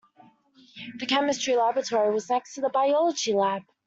The chemistry laboratory was next to the biology lab